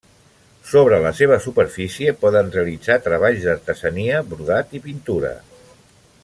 Sobre la seva superfície poden realitzar treballs d'artesania, brodat i pintura.